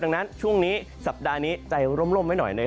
ดังนั้นช่วงนี้สัปดาห์นี้ใจร่มไว้หน่อย